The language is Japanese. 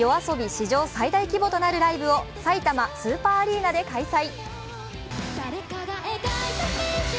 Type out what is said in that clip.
史上最大規模となるライブをさいたまスーパーアリーナで開催。